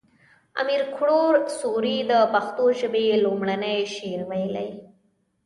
امیر کروړ سوري د پښتو ژبې لومړنی شعر ويلی